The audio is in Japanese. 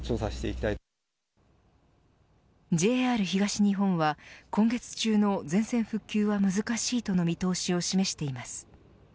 ＪＲ東日本は今月中の全線復旧は難しいとの見通しを示しています。